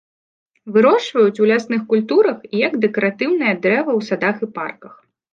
Вырошчваюць у лясных культурах і як дэкаратыўнае дрэва ў садах і парках.